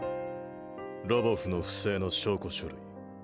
ロヴォフの不正の証拠書類。